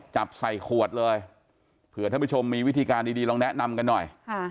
จับใส่ขวดเลยเผื่อท่านผู้ชมมีวิธีการดีลองแนะนำกันหน่อย